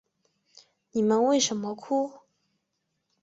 你们为什么哭？